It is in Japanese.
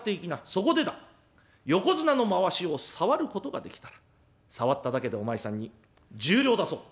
そこでだ横綱のまわしを触ることができたら触っただけでお前さんに１０両出そう」。